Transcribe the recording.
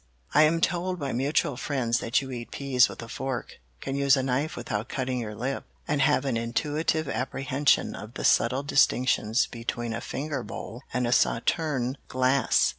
I am told by mutual friends that you eat peas with a fork, can use a knife without cutting your lip, and have an intuitive apprehension of the subtle distinctions between a finger bowl and a sauterne glass.